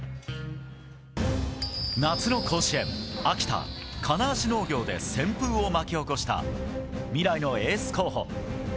夏の甲子園、秋田・金足農業で旋風を巻き起こした未来のエース候補。